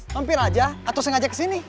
mampir aja atau sengaja kesini